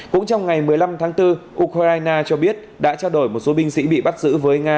cũng trong ngày một mươi năm tháng bốn ukraine cho biết đã trao đổi một số binh sĩ bị bắt giữ với nga